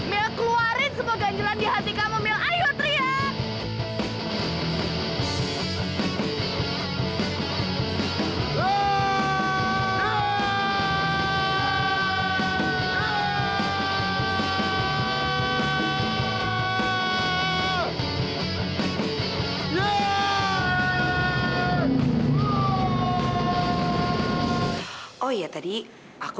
mil keluarin semua ganjelan di hati kamu mil ayo teriak